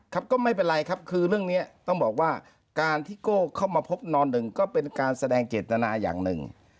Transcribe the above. ครับก็ไม่เป็นไรครับคือเรื่องนี้ต้องบอกว่าการที่โก้เข้ามาพบนอนหนึ่งก็เป็นการแสดงเจตนาอย่างหนึ่ง